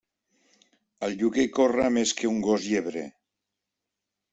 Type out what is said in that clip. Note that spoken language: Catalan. El lloguer corre més que un gos llebrer.